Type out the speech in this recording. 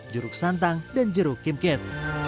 jeruk santang dan jeruk kimkit